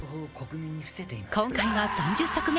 今回が３０作目。